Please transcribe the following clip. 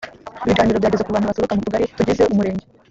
ibiganiro byageze ku bantu baturuka mu tugari tugize umurenge